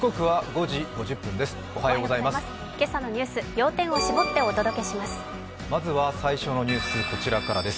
今朝の様子、要点を絞ってお届けします。